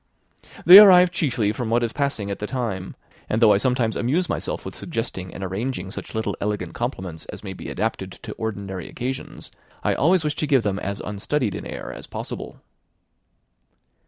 "They arise chiefly from what is passing at the time; and though I sometimes amuse myself with suggesting and arranging such little elegant compliments as may be adapted to ordinary occasions, I always wish to give them as unstudied an air as possible."